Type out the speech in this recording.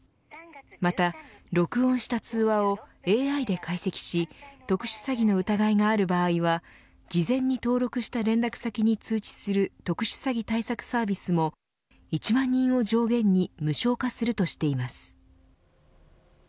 また、録音した通話をＡＩで解析し特殊詐欺の疑いがある場合は事前に登録した連絡先に通知する特殊詐欺対策サービスも１万人を上限に無償化するとしています。